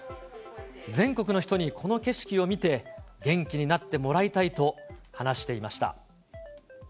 全国の人にこの景色を見て、元気になってもらいたいと話していました。